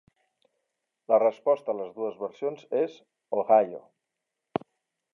La resposta a les dues versions és "Ohio".